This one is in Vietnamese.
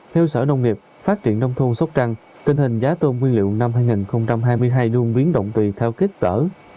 theo sở nông nghiệp phát triển đông thu sốc trăng tình hình giá tôm nguyên liệu năm hai nghìn hai mươi hai luôn biến động tùy theo kích cỡ